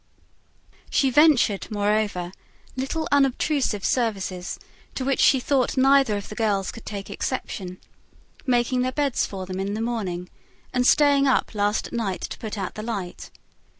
She ventured, moreover, little unobtrusive services, to which she thought neither of the girls could take exception; making their beds for them in the morning, and staying up last at night to put out the light.